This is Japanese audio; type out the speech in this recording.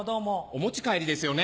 お持ち帰りですよね。